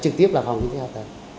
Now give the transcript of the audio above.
trực tiếp là phòng tin theo tờ